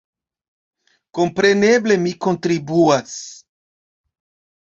Kompreneble mi kontribuas.